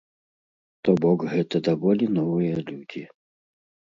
То бок гэта даволі новыя людзі.